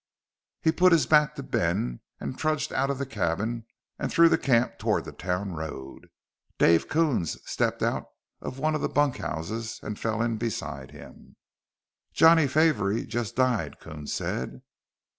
He put his back to Ben and trudged out of the cabin and through the camp toward the town road. Dave Coons stepped out of one of the bunkhouses and fell in beside him. "Johnny Favery just died," Coons said.